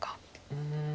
うん。